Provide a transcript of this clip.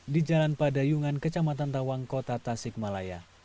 di jalan padayungan kecamatan tawang kota tasik malaya